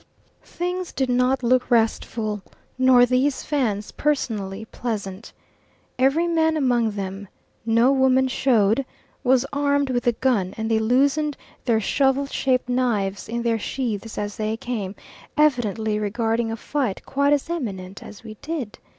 Things did not look restful, nor these Fans personally pleasant. Every man among them no women showed was armed with a gun, and they loosened their shovel shaped knives in their sheaths as they came, evidently regarding a fight quite as imminent as we did.